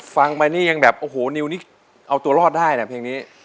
ฟังไปนี่ยังแบบโอ้โหนิวนี่เอาตัวรอดได้นะเพลงนี้